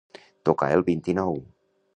Tocar el vint-i-nou.